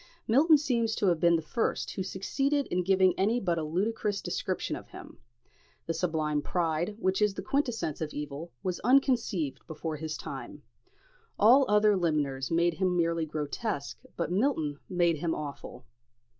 Milton seems to have been the first who succeeded in giving any but a ludicrous description of him. The sublime pride, which is the quintessence of evil, was unconceived before his time. All other limners made him merely grotesque, but Milton made him awful.